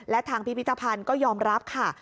และทางพิพิธภัณฑ์ก็ยอมรับค่ะ